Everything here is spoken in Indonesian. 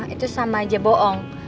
itu sama aja boong